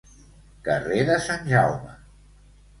Carrer de Sant Jaume.